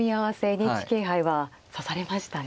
ＮＨＫ杯は指されましたね。